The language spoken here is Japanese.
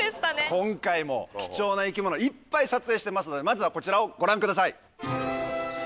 今回も貴重な生き物いっぱい撮影してますのでまずはこちらをご覧ください。